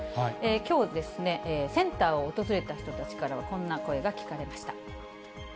きょう、センターを訪れた人たちからはこんな声が聞かれました。